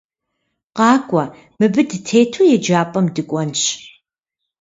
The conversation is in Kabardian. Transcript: Къакӏуэ, мыбы дытету еджапӏэм дыкӏуэнщ!